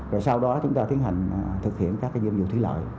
rồi sau đó chúng ta tiến hành thực hiện các nhiệm vụ thúy lợi